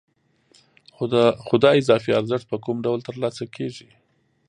خو دا اضافي ارزښت په کوم ډول ترلاسه کېږي